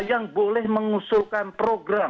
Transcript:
yang boleh mengusulkan program